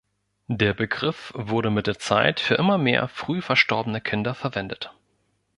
Der Begriff wurde mit der Zeit für immer mehr früh verstorbene Kinder verwendet.